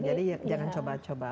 jadi jangan coba coba